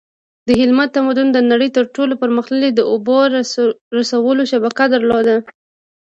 د هلمند تمدن د نړۍ تر ټولو پرمختللی د اوبو رسولو شبکه درلوده